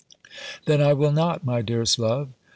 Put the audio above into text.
"Then I will not, my dearest love."